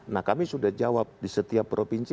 nah kami sudah jawab di setiap provinsi